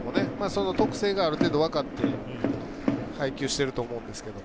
その特性がある程度、分かって配球してると思うんですが。